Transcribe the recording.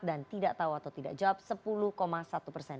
dan tidak tahu atau tidak jawab sepuluh satu persen